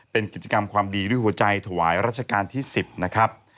เป็นกิจกรรมความดีด้วยหัวใจถวายรัชกาลที่๑๐นะครับ